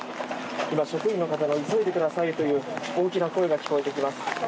今、職員の方の急いでくださいという大きな声が聞こえてきます。